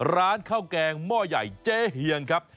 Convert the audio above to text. ร้านข้าวแกงหม้อใหญ่เจ๊เฮียงครับ